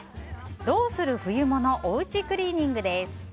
どうする冬物おうちクリーニングです。